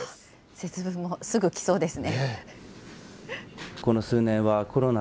節分もすぐ来そうですね。